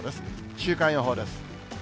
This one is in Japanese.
週間予報です。